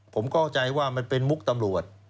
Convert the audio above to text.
ผมเข้าใจว่ามันเป็นมุกตำรวจ